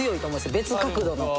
別角度の。